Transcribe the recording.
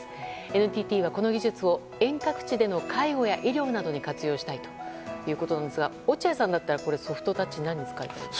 ＮＴＴは、この技術を遠隔地での介護や医療などに活用したいということなんですが落合さんだったらソフトタッチ何に使いたいですか。